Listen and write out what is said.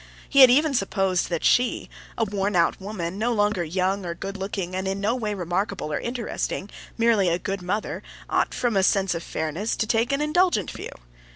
He had even supposed that she, a worn out woman no longer young or good looking, and in no way remarkable or interesting, merely a good mother, ought from a sense of fairness to take an indulgent view.